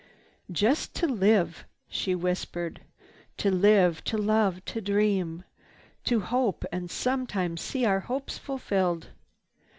"Just to live," she whispered, "to live, to love, to dream, to hope and sometimes see our hopes fulfilled!